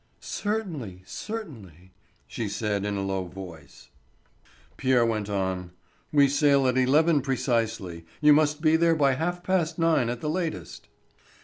"Certainly, certainly," she said in a low voice. Pierre went on: "We sail at eleven precisely. You must be there by half past nine at the latest."